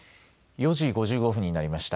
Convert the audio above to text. ４時５５分になりました。